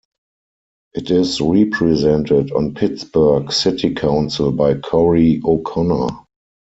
It is represented on Pittsburgh City Council by Corey O'Connor.